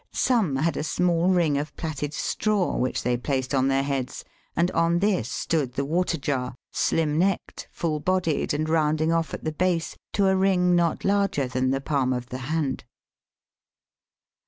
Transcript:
Some had a small ring of plaited straw which they placed on their heads, and on this stood the water jar, slim necked, full bodied, and rounding off at the base to a ring not larger than the palm of the hand.